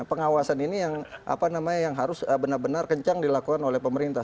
pengawasan ini yang harus benar benar kencang dilakukan oleh pemerintah